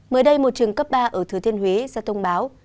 mới đây một trường cấp ba ở thừa thiên huế ra thông báo